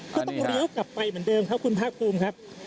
ก็ต้องเลี้ยวกลับไปเหมือนเดิมครับคุณภาคภูมิครับ